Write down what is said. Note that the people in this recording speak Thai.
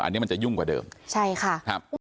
อันนี้มันจะยุ่งกว่าเดิมใช่ค่ะครับ